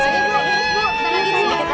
stahp aku ingin buka pokoknya